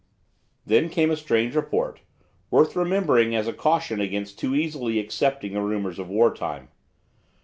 Then came a strange report, worth remembering as a caution against too easily accepting the rumours of wartime.